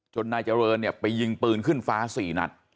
นายเจริญเนี่ยไปยิงปืนขึ้นฟ้า๔นัด